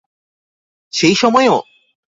সেই সময়েও?